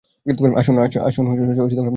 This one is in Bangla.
আসুন, ভেতরে গিয়ে বসি।